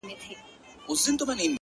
زما اوښکي د گنگا د سيند اوبه دې!!